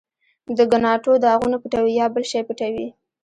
د ګناټو داغونه پټوې، یا بل شی پټوې؟